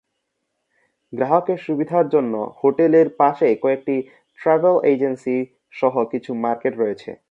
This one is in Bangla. গ্রাহকের সুবিধার জন্য হোটেলের পাশেই কয়েকটি ট্রাভেল এজেন্সি সহ কিছু মার্কেট রয়েছে।